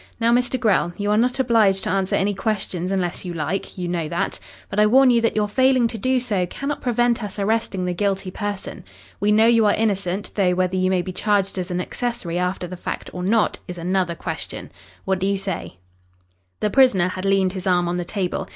Now, Mr. Grell, you are not obliged to answer any questions unless you like you know that but I warn you that your failing to do so cannot prevent us arresting the guilty person. We know you are innocent though whether you may be charged as an accessory after the fact or not is another question. What do you say?" The prisoner had leaned his arm on the table.